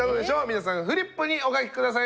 皆さんフリップにお書き下さい。